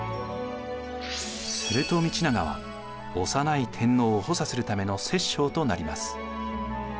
すると道長は幼い天皇を補佐するための摂政となります。